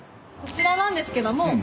こちらなんですけども。